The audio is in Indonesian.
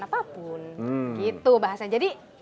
apapun gitu bahasa jadi